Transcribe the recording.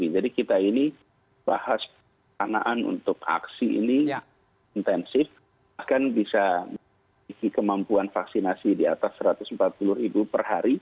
jadi kita ini bahas perkenaan untuk aksi ini intensif bahkan bisa memiliki kemampuan vaksinasi di atas satu ratus empat puluh ribu per hari